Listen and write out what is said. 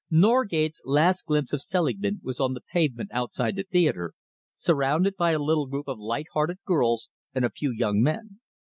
Norgate's last glimpse of Selingman was on the pavement outside the theatre, surrounded by a little group of light hearted girls and a few young men.